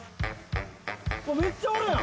めっちゃおるやん！